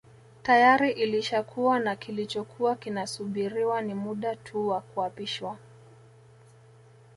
Tayari ilishakuwa na kilichokuwa kinasubiriwa ni muda tu wa kuapishwa